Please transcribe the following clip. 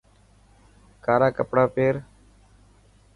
ڪارا ڪپڙا پير.